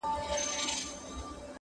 یوه برخه د پرون له رشوتونو-